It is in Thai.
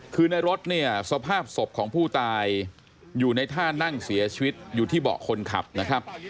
คือในรถเนี่ยสภาพศพของผู้ตายอยู่ในท่านั่งเสียชีวิตอยู่ที่เบาะคนขับนะครับ